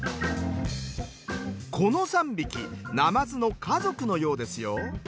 この３匹なまずの家族のようですよ。